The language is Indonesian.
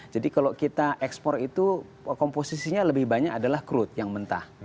kalau kita ekspor itu komposisinya lebih banyak adalah crude yang mentah